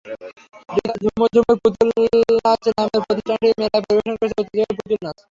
হৃদয় ঝুমুর ঝুমুর পুতুলনাচ নামের প্রতিষ্ঠানটি মেলায় পরিবেশন করছে ঐতিহ্যবাহী পুতুলনাচ।